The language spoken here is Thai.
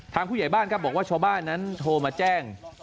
ผู้ใหญ่บ้านครับบอกว่าชาวบ้านนั้นโทรมาแจ้ง